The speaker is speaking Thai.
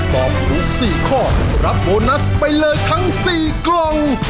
ตอบถูก๔ข้อรับโบนัสไปเลยทั้ง๔กล่อง